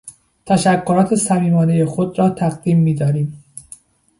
تشکرات صمیمانهٔ خود را تقدیم میداریم.